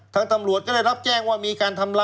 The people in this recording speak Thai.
ทางตำรวจก็ได้รับแจ้งว่ามีการทำร้าย